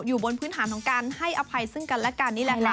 อยู่บนพื้นฐานของการให้อภัยซึ่งกันและกันนี่แหละค่ะ